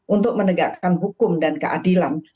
untuk menegakkan hukum dan keadilan